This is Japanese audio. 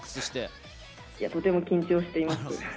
いや、とても緊張しています。